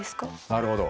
なるほど。